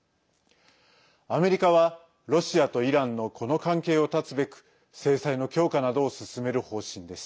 アメリカは、ロシアとイランのこの関係を絶つべく制裁の強化などを進める方針です。